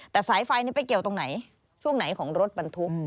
แต่สายไฟไปเกี่ยวตรงไหนช่วงไหนของรถบรรทุก